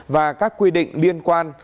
và các quy định liên quan